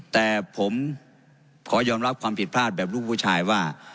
แต่ผมขอยอมรับความผิดพลาดแบบลูกผู้ชายว่า